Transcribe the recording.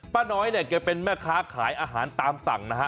ป้าน้อยเนี่ยแกเป็นแม่ค้าขายอาหารตามสั่งนะฮะ